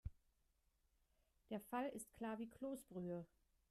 Der Fall ist klar wie Kloßbrühe.